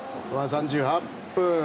３８分。